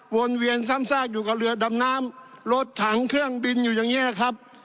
วนเวียนซ้ำซากอยู่กับเรือดำน้ำรถถังเครื่องบินอยู่อย่างนี้นะครับ